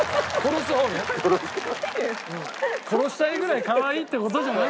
殺したいぐらいかわいいって事じゃない？